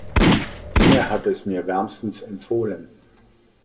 Inge hat es mir wärmstens empfohlen.